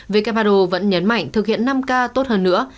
who vẫn nhấn mạnh thực hiện năm k tốt hơn nữa